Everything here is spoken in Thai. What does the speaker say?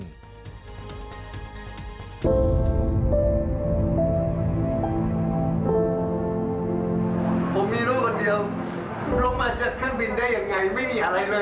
ผมมีรูปอันเดียวลงมาจัดเครื่องบินได้ยังไง